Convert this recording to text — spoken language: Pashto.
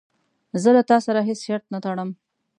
زه له تا سره هیڅ شرط نه ټړم.